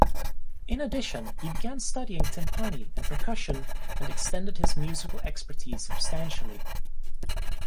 In addition he began studying timpani and percussion and extended his musical expertise substantially.